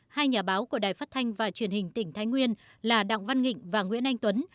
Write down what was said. hai nhà báo của đài phát thanh và truyền hình tỉnh thái nguyên là đặng văn nghị và nguyễn anh tuấn